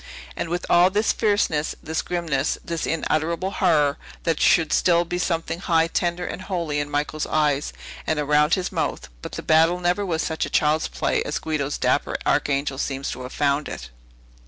And, with all this fierceness, this grimness, this unutterable horror, there should still be something high, tender, and holy in Michael's eyes, and around his mouth. But the battle never was such a child's play as Guido's dapper Archangel seems to have found it."